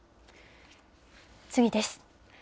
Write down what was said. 次です。